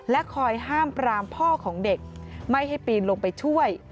คอยห้ามปรามพ่อของเด็กไม่ให้ปีนลงไปช่วย